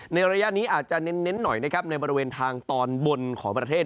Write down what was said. ระยะนี้อาจจะเน้นหน่อยนะครับในบริเวณทางตอนบนของประเทศ